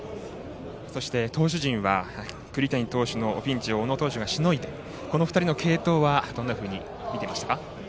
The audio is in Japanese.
そして、投手陣は栗谷投手のピンチを小野投手がしのいで、この２人の継投はどんなふうに見ていましたか？